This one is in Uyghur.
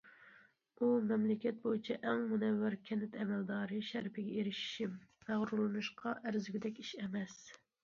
ئۇ:‹‹ مەملىكەت بويىچە ئەڭ مۇنەۋۋەر كەنت ئەمەلدارى›› شەرىپىگە ئېرىشىشىم، مەغرۇرلىنىشقا ئەرزىگۈدەك ئىش ئەمەس.